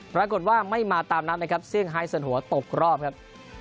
ปรากฏว่าไม่มาตามนัดนะครับเซี่ยสันหัวตกรอบครับ